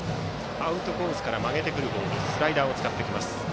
アウトコースから曲げてくるスライダーを使ってきます。